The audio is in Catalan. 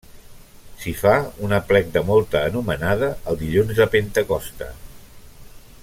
S'hi fa un aplec de molta anomenada el dilluns de Pentecosta.